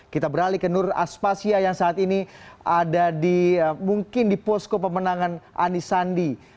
kita beralih ke nur aspasya yang saat ini ada di mungkin di posko pemenangan anisandi